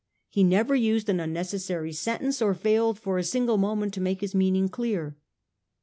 He never used an unnecessary sentence or failed for a single moment to make his meaning clear.